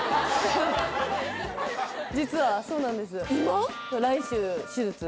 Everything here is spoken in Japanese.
実はそうなんです今？